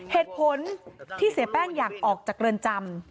เหตุผลที่เสียแป้งอยากออกจากเรือนจำ